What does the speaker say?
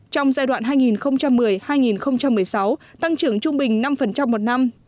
trong giai đoạn hai nghìn một mươi hai nghìn một mươi sáu tăng trưởng trung bình năm một năm